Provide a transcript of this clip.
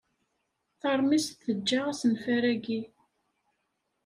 Taṛmist teǧǧa asenfar-agi.